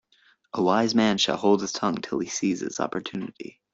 A wise man shall hold his tongue till he sees his opportunity.